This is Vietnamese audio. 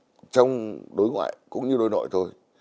rất chủ động trong đối ngoại cũng như đối nội thôi